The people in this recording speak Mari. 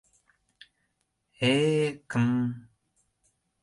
Э-э... км...